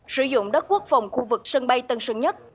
sử dụng đất quốc phòng khu vực sân bay tân sơn nhất